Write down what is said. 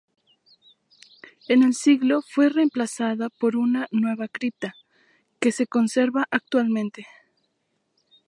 En el siglo fue reemplazada por una nueva cripta, que se conserva actualmente.